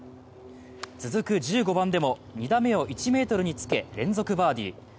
続く１５番でも２打目を１ｍにつけ、連続バーディー。